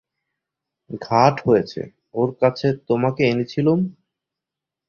ঘাট হয়েছে ওর কাছে তোমাকে এনেছিলুম।